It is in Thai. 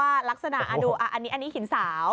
อันนี้หินสาว